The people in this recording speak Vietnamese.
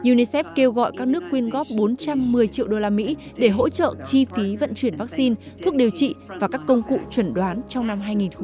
unicef kêu gọi các nước quyên góp bốn trăm một mươi triệu đô la mỹ để hỗ trợ chi phí vận chuyển vaccine thuốc điều trị và các công cụ chuẩn đoán trong năm hai nghìn hai mươi